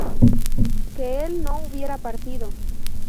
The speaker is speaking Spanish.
que él no hubiera partido